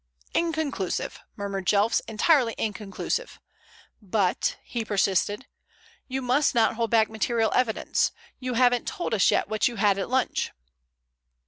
"Inconclusive," murmured Jelfs, "entirely inconclusive. But," he persisted, "you must not hold back material evidence. You haven't told us yet what you had at lunch."